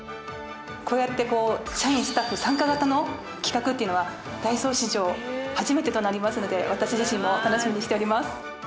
こうやって社員スタッフ参加型の企画っていうのはダイソー史上初めてとなりますので私自身も楽しみにしております。